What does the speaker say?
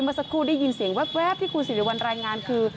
เมื่อสักครู่ได้ยินเสียงแว๊บที่คุณสิริวัลรายงานคือ